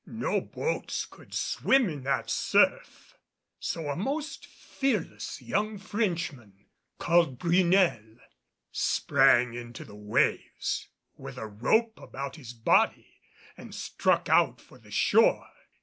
No boats could swim in that surf. So a most fearless young Frenchman, called Brunel, sprang into the waves with a rope about his body and struck out for the shore.